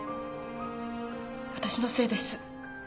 私のせいです。